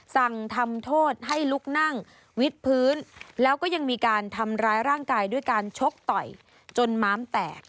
สั่งทำโทษให้ลุกนั่งวิดพื้นแล้วก็ยังมีการทำร้ายร่างกายด้วยการชกต่อยจนม้ามแตก